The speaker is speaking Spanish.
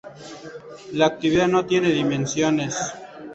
La actividad no tiene dimensiones.